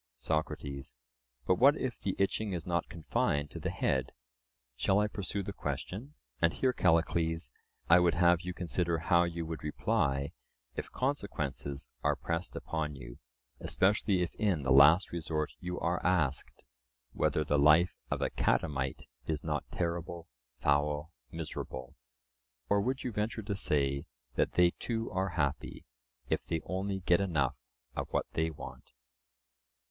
SOCRATES: But what if the itching is not confined to the head? Shall I pursue the question? And here, Callicles, I would have you consider how you would reply if consequences are pressed upon you, especially if in the last resort you are asked, whether the life of a catamite is not terrible, foul, miserable? Or would you venture to say, that they too are happy, if they only get enough of what they want?